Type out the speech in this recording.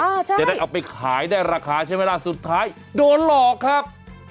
จะได้เอาไปขายได้ราคาใช่ไหมล่ะสุดท้ายโดนหลอกครับ